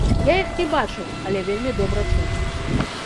Я іх не бачыў, але вельмі добра чуў.